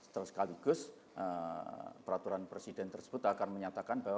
terus sekaligus peraturan presiden tersebut akan menyatakan bahwa